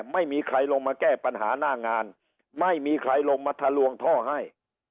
ไม่มีใครลงมาแก้ปัญหาหน้างานไม่มีใครลงมาทะลวงท่อให้